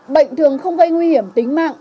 bệnh thường không gây nguy hiểm tính mạng